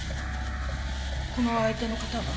この相手の方は？